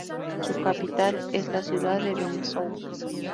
Su capital es la ciudad de Benešov.